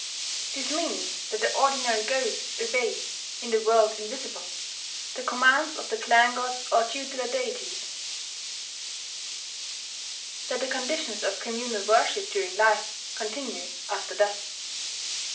This means that the ordinary ghosts obey, in the world invisible, the commands of the clan gods or tutelar deities; that the conditions of communal worship during life continue after death.